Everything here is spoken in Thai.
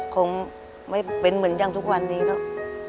คงไม่เป็นเหมือนทุกวันนี้เนาะ